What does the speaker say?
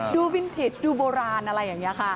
ดูวินผิดดูโบราณอะไรอย่างนี้ค่ะ